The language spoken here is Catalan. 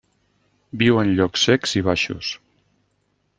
Viu en llocs secs i baixos.